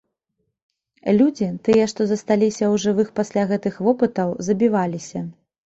Людзі, тыя, што засталіся ў жывых пасля гэтых вопытаў, забіваліся.